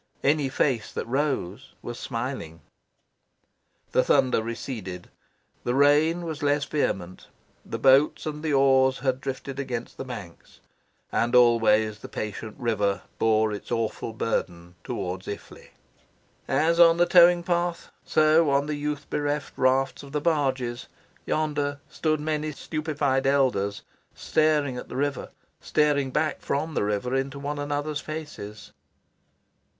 Any face that rose was smiling. The thunder receded; the rain was less vehement: the boats and the oars had drifted against the banks. And always the patient river bore its awful burden towards Iffley. As on the towing path, so on the youth bereft rafts of the barges, yonder, stood many stupefied elders, staring at the river, staring back from the river into one another's faces.